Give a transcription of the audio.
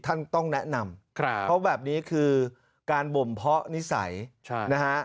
ท่านต้องแนะนำเพราะแบบนี้คือการบ่มเพาะนิสัยนะฮะ